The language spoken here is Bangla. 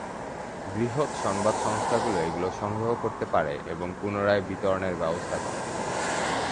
বৃহৎ সংবাদ সংস্থাগুলো এগুলো সংগ্রহ করতে পারে এবং পুনরায় বিতরণের ব্যবস্থা করে।